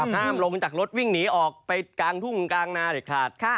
ห้ามลงจากรถวิ่งหนีออกไปกลางทุ่งกลางนาเด็ดขาด